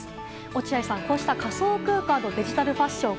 落合さん、仮想空間とデジタルファッション